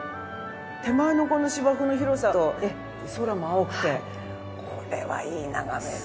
手前のこの芝生の広さと空も青くてこれはいい眺めだ。